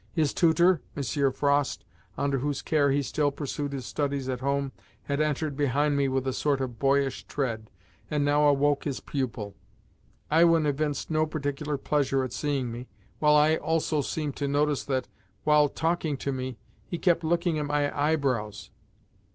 His tutor, Monsieur Frost, under whose care he still pursued his studies at home, had entered behind me with a sort of boyish tread, and now awoke his pupil. Iwin evinced no particular pleasure at seeing me, while I also seemed to notice that, while talking to me, he kept looking at my eyebrows.